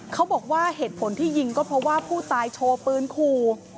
เขาบอกว่าเหตุผลที่ยิงก็เพราะว่าผู้ตายโชว์ปืนขู่